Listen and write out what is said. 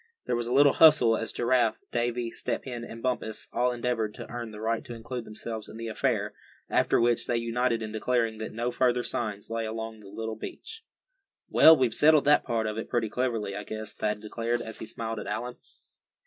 There was a little hustle as Giraffe, Davy, Step Hen and Bumpus all endeavored to earn the right to include themselves in the affair; after which they united in declaring that no further signs lay along the little beach. "Well, we've settled that part of it pretty cleverly, I guess," Thad declared, as he smiled at Allan.